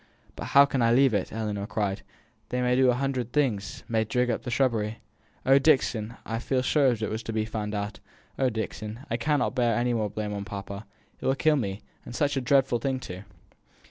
"But how can I leave it!" Ellinor cried. "They may do a hundred things may dig up the shrubbery. Oh! Dixon, I feel as if it was sure to be found out! Oh! Dixon, I cannot bear any more blame on papa it will kill me and such a dreadful thing, too!"